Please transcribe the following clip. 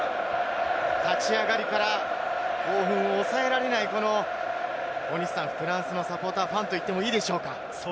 立ち上がりから興奮を抑えられないフランスのサポーター、ファンと言ってもいいでしょうか。